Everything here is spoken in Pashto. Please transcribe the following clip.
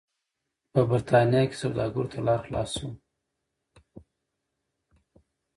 په برېټانیا کې سوداګرو ته لار خلاصه شوه.